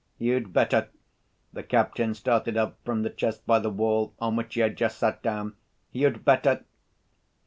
"You'd better," the captain started up from the chest by the wall on which he had just sat down, "you'd better